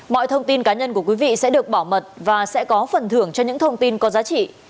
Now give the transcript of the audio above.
mọi thông tin cá nhân của quý vị sẽ được bảo mật và sẽ có phần thưởng cho những thông tin có giá trị